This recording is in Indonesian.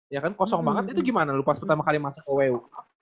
ya kan kosong banget itu gimana lu pas pertama kali masuk ke wu